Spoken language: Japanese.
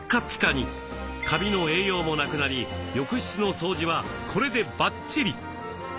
カビの栄養もなくなり浴室の掃除はこれでバッチリ。